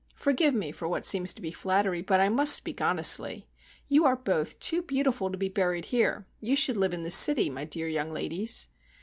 Forgive me for what seems to be flattery, but I must speak honestly. You are both too beautiful to be buried here! You should live in the city, my dear young ladies!"